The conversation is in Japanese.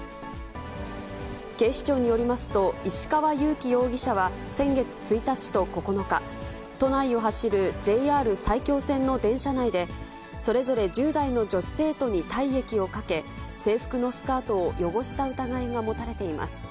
警視庁によりますと、石川雄幾容疑者は先月１日と９日、都内を走るＪＲ埼京線の電車内で、それぞれ１０代の女子生徒に体液をかけ、制服のスカートを汚した疑いが持たれています。